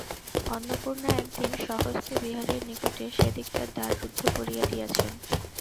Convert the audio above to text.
অন্নপূর্ণা একদিন স্বহস্তে বিহারীর নিকটে সেদিককার দ্বার রুদ্ধ করিয়া দিয়াছেন।